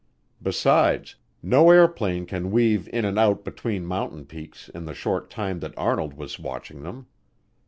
Besides, no airplane can weave in and out between mountain peaks in the short time that Arnold was watching them.